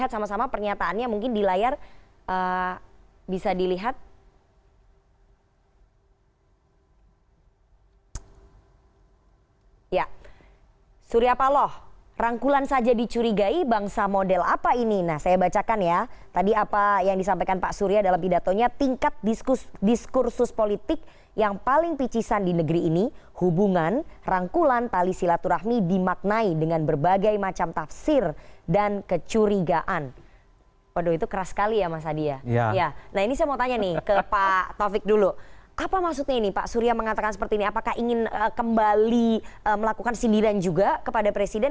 apakah ingin kembali melakukan sindiran juga kepada presiden